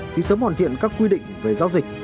thì sớm hoàn thiện các quy định về giao dịch